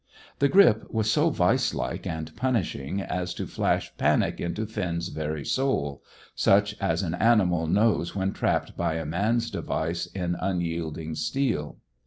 The grip was so vice like and punishing as to flash panic into Finn's very soul, such as an animal knows when trapped by a man's device in unyielding steel.